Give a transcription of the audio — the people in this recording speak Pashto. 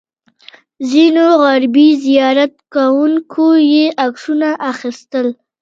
ځینو غربي زیارت کوونکو یې عکسونه اخیستل.